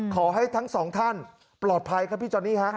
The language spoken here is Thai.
ขอให้ทั้งสองท่านปลอดภัยครับพี่จอนี่ฮะ